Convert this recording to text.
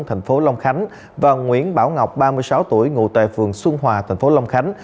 tp long khánh và nguyễn bảo ngọc ba mươi sáu tuổi ngủ tại phường xuân hòa tp long khánh